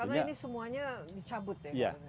karena ini semuanya dicabut ya